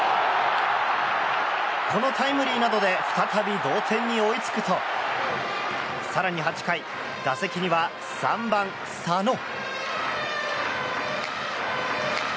このタイムリーなどで再び同点に追いつくと更に８回、打席には３番、佐野。